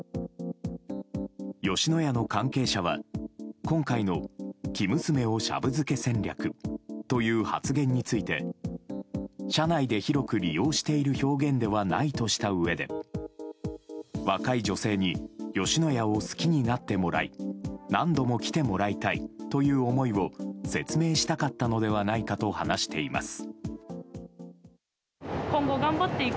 吉野家の関係者は今回の生娘をシャブ漬け戦略という発言について社内で広く利用している表現ではないとしたうえで若い女性に吉野家を好きになってもらい何度も来てもらいたいという思いを説明したかったのではないかと話しています。